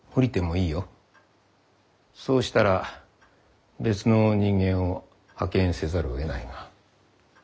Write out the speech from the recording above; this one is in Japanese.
そうしたら別の人間を派遣せざるをえないが。